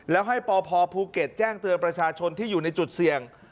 แล้วให้ปพภูเก็ตแจ้งเตือนประชาชนที่อยู่ในจุดเสี่ยง